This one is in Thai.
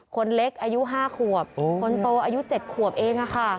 คนเล็กอายุ๕ขวบคนโตอายุ๗ขวบเอง